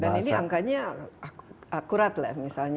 dan ini angkanya akurat lah misalnya